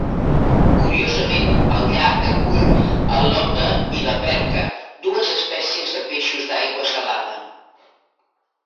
Curiosament, el llac acull el lota i la perca, dues espècies de peixos d'aigua salada.